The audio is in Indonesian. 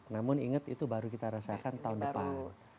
namun ingat itu baru kita rasakan tahun depan